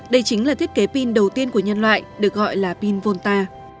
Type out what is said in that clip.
đây chính là thiết kế pin đầu tiên của nhân loại được gọi là pin volta